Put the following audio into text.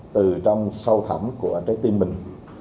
từ trong sâu thẳm của trái tim mình